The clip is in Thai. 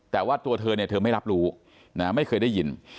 แต่ว่าตัวเธอเนี่ยเธอไม่รับรู้ไม่เคยได้ยิน